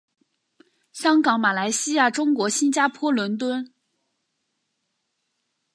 香港马来西亚中国新加坡伦敦